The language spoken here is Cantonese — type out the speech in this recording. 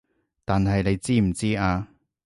但係你知唔知啊